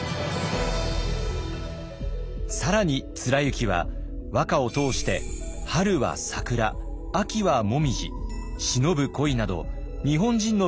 更に貫之は和歌を通して「春は桜」「秋は紅葉」「忍ぶ恋」など日本人の美意識を確立します。